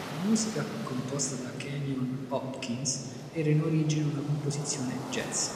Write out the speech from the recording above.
La musica, composta da Kenyon Hopkins, era in origine una composizione jazz.